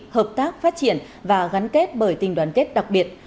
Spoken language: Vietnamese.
hợp tác phát triển và gắn kết bởi tình đoàn kết đặc biệt